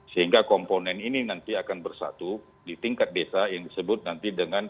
sehingga komponen ini nanti akan bersatu di tingkat desa yang disebut nanti dengan